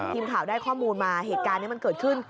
ทีมข่าวได้ข้อมูลมาเหตุการณ์นี้มันเกิดขึ้น